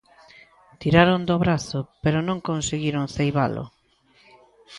Tiraron do brazo pero non conseguiron ceibalo.